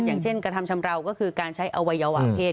อย่างเช่นกระทำชำราวก็คือการใช้อวัยวะเพศ